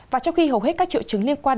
và trong khi hầu hết các triệu chứng liên quan